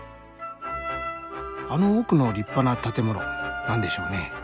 あの奥の立派な建物何でしょうね。